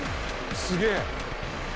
すげえ。